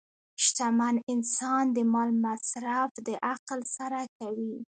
شتمن انسان د مال مصرف د عقل سره کوي.